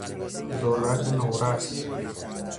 ذرت نورس